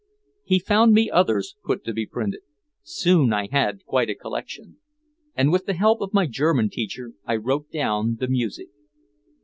He found me others "put to be printed." Soon I had quite a collection. And with the help of my German teacher I wrote down the music.